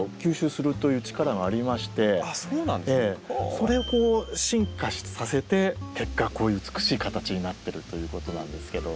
それを進化させて結果こういう美しい形になってるということなんですけども。